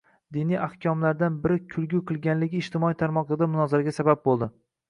diniy ahkomlardan biri kulgi qilingani ijtimoiy tarmoqlarda munozaralarga sabab bo‘ldi.